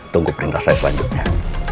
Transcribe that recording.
tunggu perintah saya selanjutnya